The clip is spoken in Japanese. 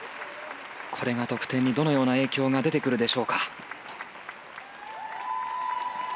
これが得点にどのような影響が出てくるか。